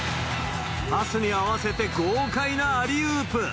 パスに合わせて豪快なアリウープ。